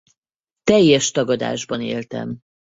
Teljes tagadásban éltem.